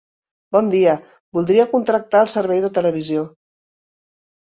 Bon dia, volia contractar el servei de televisió.